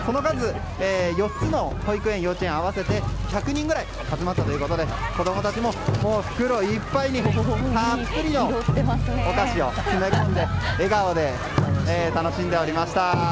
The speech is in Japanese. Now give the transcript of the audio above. ４つの保育園・幼稚園合わせて１００人ぐらい集まったということで子供たちも袋いっぱいにたっぷりのお菓子を詰め込んで笑顔で楽しんでおりました。